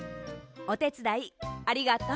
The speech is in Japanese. おてつだいありがとう。